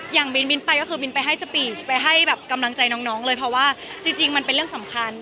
มิ้นไปก็คือบินไปให้สปีชไปให้แบบกำลังใจน้องเลยเพราะว่าจริงมันเป็นเรื่องสำคัญ